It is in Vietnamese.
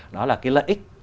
đó là cái lợi ích